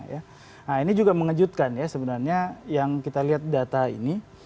nah ini juga mengejutkan ya sebenarnya yang kita lihat data ini